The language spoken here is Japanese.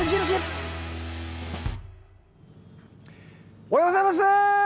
おはようございます！